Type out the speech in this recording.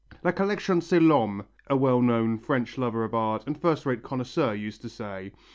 "La collection c'est l'homme," a well known French lover of art and first rate connoisseur used to say.